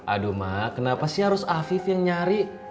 aduh mak kenapa sih harus afif yang nyari